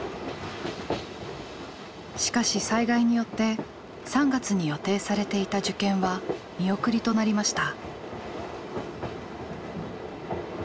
しかし災害によって３月に予定されていた受験は見送りとなりました。